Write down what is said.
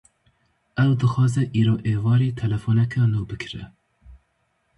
Ew dixwaze îro êvarî telefoneka nû bikire